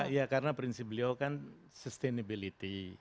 ya karena prinsip beliau kan sustainability